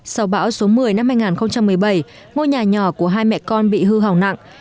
sau bão số một mươi năm hai nghìn một mươi bảy ngôi nhà nhỏ của hai mẹ con bị hư hỏng nặng